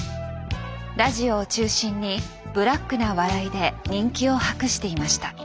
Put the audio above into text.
ラジオを中心にブラックな笑いで人気を博していました。